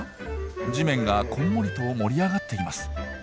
地面がこんもりと盛り上がっています。